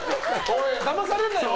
だまされんなよ！